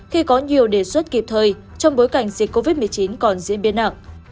khi có nhiều đề xuất kịp thời trong bối cảnh dịch covid một mươi chín còn diễn biến nặng